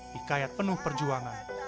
hikayat penuh perjuangan